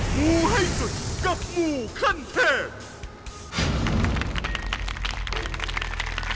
งูให้สุดกับงูขั้นเทพ